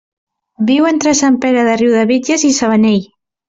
Viu entre Sant Pere de Riudebitlles i Sabanell.